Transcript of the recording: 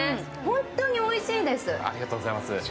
本当においしいんです。